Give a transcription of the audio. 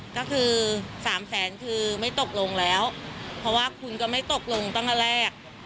ก็คือ๓แสนคือไม่ตกลงแล้วเพราะว่าคุณก็ไม่ตกลงตั้งแต่แรก